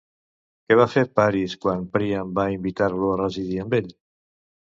Què va fer Paris quan Príam va invitar-lo a residir amb ell?